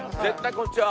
こんにちは。